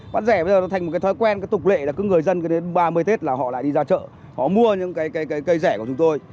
bán rẻ bây giờ nó thành một cái thói quen cái tục lệ là cứ người dân cứ đến ba mươi tết là họ lại đi ra chợ họ mua những cái cây rẻ của chúng tôi